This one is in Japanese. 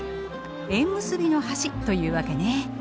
縁結びの橋というわけね。